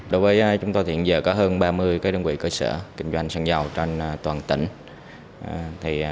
đối với chúng tôi thì hiện giờ có hơn ba mươi đơn vị cơ sở kinh doanh xăng dầu trên toàn tỉnh